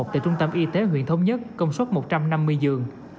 tại trung tâm y tế huyện thống nhất công suất một trăm năm mươi giường